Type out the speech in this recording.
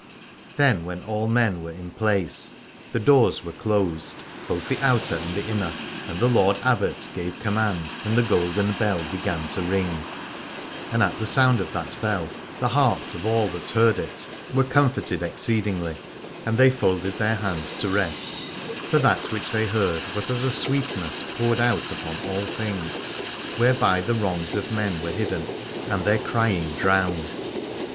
Then when all men were in place the doors were closed, both the outer and the inner, and the Lord Abbot gave command and the Golden Bell began to ring. And at the sound of that bell the hearts of all that heard it were comforted exceedingly, and they folded their hands to rest : for that which they heard was as a sweetness poured out upon all things, whereby the wrongs of men were hidden and their crying drowned.